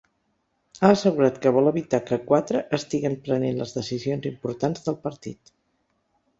Ha assegurat que vol evitar que ‘quatre estiguen prenent les decisions importants’ del partit.